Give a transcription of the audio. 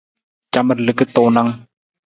Camar liki tuunng.